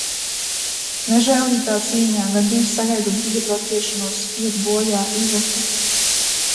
Nežēlīgā cīņā, gandrīz sagaidot biedru atgriešanos, iet bojā Iveta.